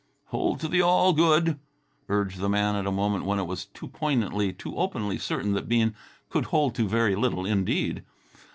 "Hold to the all good!" urged the man at a moment when it was too poignantly, too openly certain that Bean could hold to very little indeed.